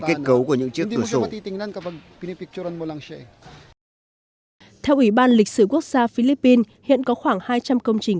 kết cấu của những chiếc cửa sổ theo ủy ban lịch sử quốc gia philippines hiện có khoảng hai trăm linh công trình